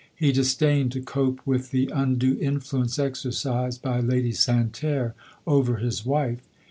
He disdained to cope with the un due influence exercised by Lady Santerre over his wife.